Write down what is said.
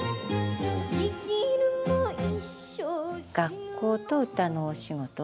学校と歌のお仕事。